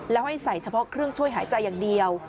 แล้วให้ใส่เฉพาะเครื่องช่วยหายใจอย่างเดียว